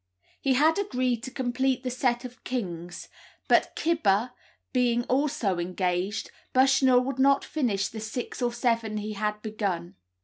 He had agreed to complete the set of kings, but Cibber being also engaged, Bushnell would not finish the six or seven he had begun.